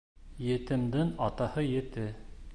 Етемдең атаһы ете.